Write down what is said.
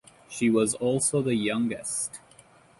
She was also the youngest.